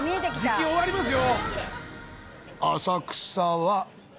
じき終わりますよ。